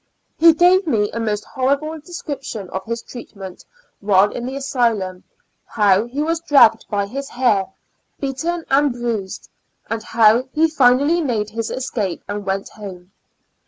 He gave me a most horrible description of his treatment, while in the asylum; how he was dragged by his hair, beaten and bruised, and how he finally made his escape and Tg^nt home.